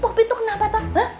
popi tuh kenapa tuh